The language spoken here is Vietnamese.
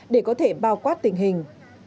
để có thể bao quát tình hình